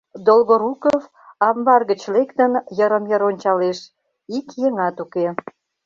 Долгоруков, амбар гыч лектын, йырым-йыр ончалеш: ик еҥат уке.